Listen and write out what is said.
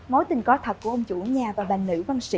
mối tình có thật của ông chủ nhà và bà nữ văn sĩ